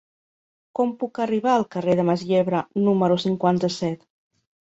Com puc arribar al carrer de Mas Yebra número cinquanta-set?